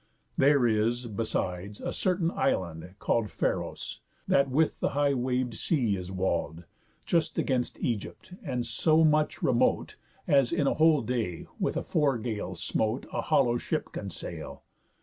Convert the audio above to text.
There is, besides, a certain island, call'd Pharos, that with the high wav'd sea is wall'd, Just against Ægypt, and so much remote, As in a whole day, with a fore gale smote, A hollow ship can sail.